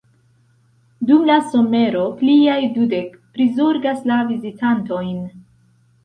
Dum la somero pliaj dudek prizorgas la vizitantojn.